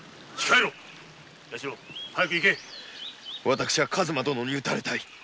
私は数馬殿に討たれたい。